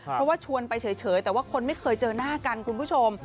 เพราะว่าชวนไปเฉยแต่ว่าคนไม่เคยเจอหน้ากันคุณผู้ชม